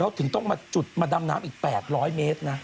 ถึงต้องมาจุดมาดำน้ำอีก๘๐๐เมตรนะ